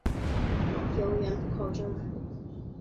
由原浦口区政府所在地浦口街道和泰山街道合并而成。